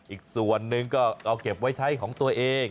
อีกส่วนหนึ่งก็เอาเก็บไว้ใช้ของตัวเอง